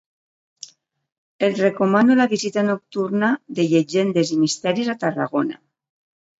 Et recomano la visita nocturna de llegendes i misteris a Tarragona.